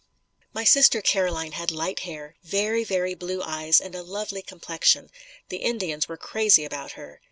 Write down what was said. My sister Caroline had light hair, very, very blue eyes and a lovely complexion. The Indians were crazy about her.